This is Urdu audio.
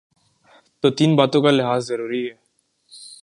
تو تین باتوں کا لحاظ ضروری ہے۔